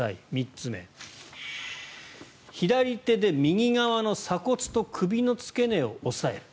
３つ目、左手で右側の鎖骨と首の付け根を押さえる。